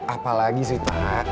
apalagi sih tak